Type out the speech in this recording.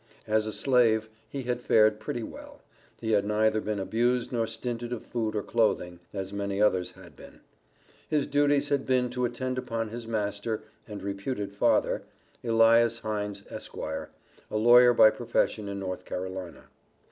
As a slave, he had fared pretty well he had neither been abused nor stinted of food or clothing, as many others had been. His duties had been to attend upon his master (and reputed father), Elias Heines, Esq., a lawyer by profession in North Carolina.